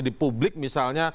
di publik misalnya